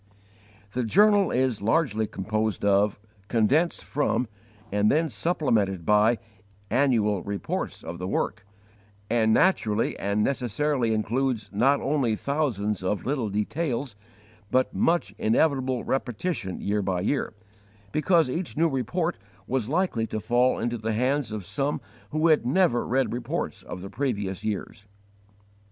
The journal is largely composed of, condensed from, and then supplemented by, annual reports of the work, and naturally and necessarily includes, not only thousands of little details, but much inevitable repetition year by year, because each new report was likely to fall into the hands of some who had never read reports of the previous years.